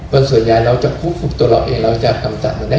บรรสุนัยเราจะฟุกตัวเราเองเราจะทำตอบมาได้